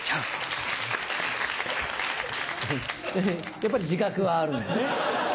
やっぱり自覚はあるんだね。